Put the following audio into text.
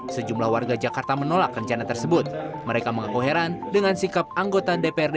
sejumlah warga jakarta menolak rencana tersebut mereka mengaku heran dengan sikap anggota dprd